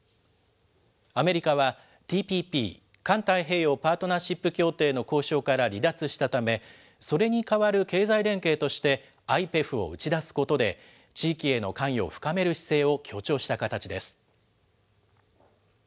アメリカは、ＴＰＰ・環太平洋パートナーシップ協定の交渉から離脱したため、それに代わる経済連携として、ＩＰＥＦを打ち出すことで、地域への関与を深める姿勢を強調した形です。